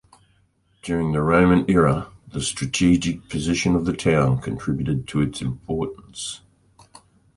During the Roman era, the strategic position of the town contributed to its importance.